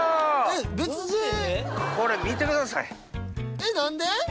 えっ何で？